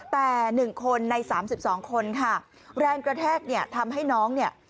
แต่๑คนใน๓๒คนค่ะแรงกระแทกทำให้น้อง